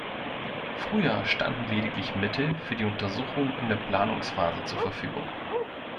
Früher standen lediglich Mittel für die Untersuchungen in der Planungsphase zur Verfügung.